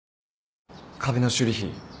壁の修理費